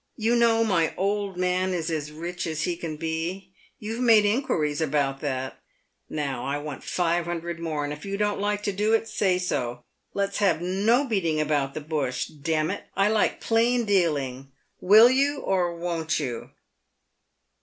You know my old man is as rich as he can be. You've made inquiries about that. Now, I want five hundred more, and, if you don't like to do it, say so. Let's have no beating about the bush. D — n it ! I like plain dealing. Will you, or won't you